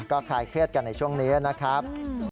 ก็คลายเครียดกันในช่วงนี้นะครับ